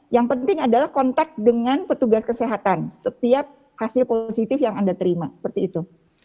yang penting adalah kontak dengan petugas kesehatan setiap hasil positif yang anda terima seperti itu